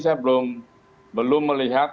saya belum melihat